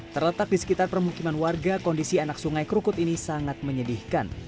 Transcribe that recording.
terletak di sekitar permukiman warga kondisi anak sungai krukut ini sangat menyedihkan